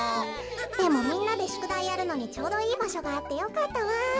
でもみんなでしゅくだいやるのにちょうどいいばしょがあってよかったわ。